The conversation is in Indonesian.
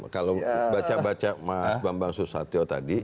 kalau baca baca mas bambang susatyo tadi